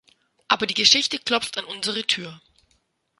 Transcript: Aber die Geschichte klopft an unsere Tür.